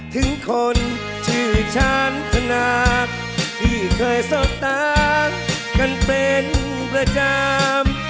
ถึงคนชื่อฉันธนาคที่เคยสบตากันเป็นประจำ